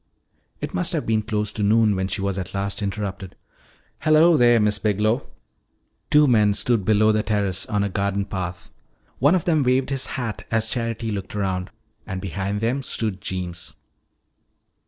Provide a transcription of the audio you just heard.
It must have been close to noon when she was at last interrupted. "Hello there, Miss Biglow!" Two men stood below the terrace on a garden path. One of them waved his hat as Charity looked around. And behind them stood Jeems.